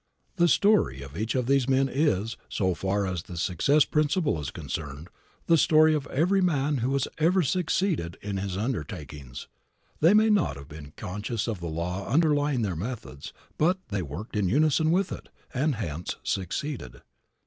The story of each of these men is, so far as the success principle is concerned, the story of every man who has ever succeeded in his undertakings. They may not have been conscious of the law underlying their methods, but they worked in unison with it, and hence succeeded.